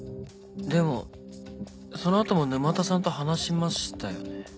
でもその後も沼田さんと話しましたよね？